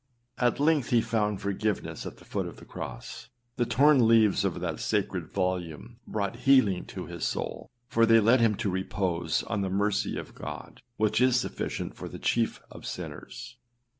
At length, he found forgiveness at the foot of the cross. The torn leaves of that sacred volume brought healing to his soul; for they led him to repose on the mercy of God, which is sufficient for the chief of sinners.